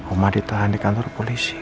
oma ditahan di kantor polisi